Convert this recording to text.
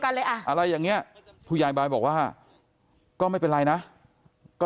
เลยอ่ะอะไรอย่างเงี้ยผู้ใหญ่บายบอกว่าก็ไม่เป็นไรนะก็